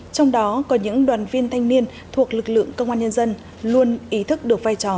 trong đó có những đoàn viên thanh niên thuộc lực lượng công an nhân dân luôn ý thức được vai trò